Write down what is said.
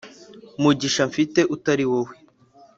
mugisha mfite utari wowe